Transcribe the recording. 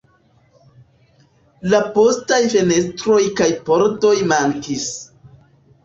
La postaj fenestroj kaj pordo mankis.